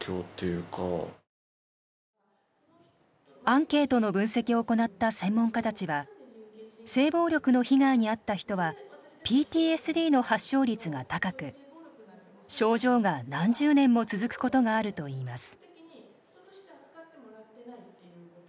アンケートの分析を行った専門家たちは性暴力の被害に遭った人はＰＴＳＤの発症率が高く症状が何十年も続くことがあるといいます。